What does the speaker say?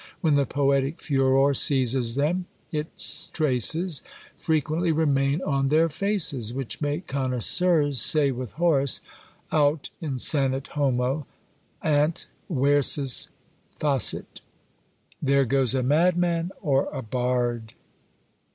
When the poetic furor seizes them, its traces frequently remain on their faces, which make connoisseurs say with Horace, Aut insanit homo, ant versus facit. There goes a madman or a bard!